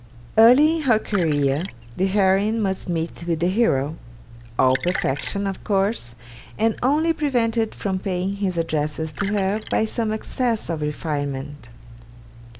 Early in her career, the heroine must meet with the hero: all perfection, of course, and only prevented from paying his addresses to her by some excess of refinement.